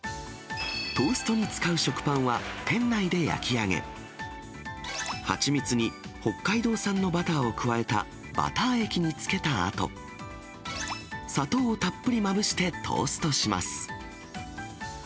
トーストに使う食パンは店内で焼き上げ、蜂蜜に、北海道産のバターを加えたバター液につけたあと、砂糖をたっぷりまぶしてトーストします。